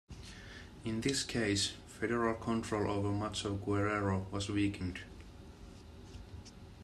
In this case, federal control over much of Guerrero was weakened.